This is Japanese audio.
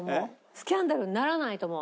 スキャンダルにならないと思う。